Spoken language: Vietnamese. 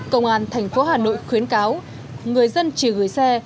công an thành phố hà nội khuyến cáo người dân chỉ gửi xe